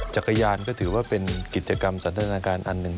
จักรยานก็ถือว่าเป็นกิจกรรมสันทนาการอันหนึ่ง